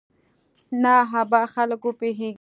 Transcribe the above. نه ابا خلک پوېېږي.